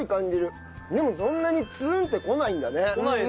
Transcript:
でもそんなにツーンってこないんだね。